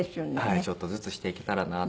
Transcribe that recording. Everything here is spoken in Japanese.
ちょっとずつしていけたらなと。